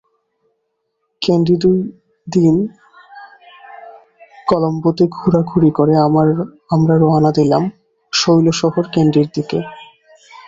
ক্যান্ডিদুই দিন কলম্বোতে ঘোরাঘুরি করে আমরা রওনা দিলাম শৈল শহর ক্যান্ডির দিকে।